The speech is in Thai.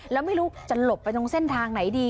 แล้วไม่รู้จะหลบไปตรงเส้นทางไหนดี